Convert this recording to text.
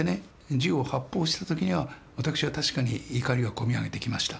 銃を発砲した時には私は確かに怒りがこみ上げてきました。